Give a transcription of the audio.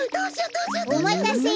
おまたせ。